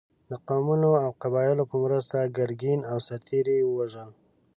د قومونو او قبایلو په مرسته ګرګین او سرتېري یې ووژل.